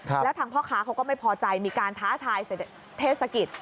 แล้วทางพ่อค้าเขาก็ไม่พอใจมีการท้าทายเทศกิจ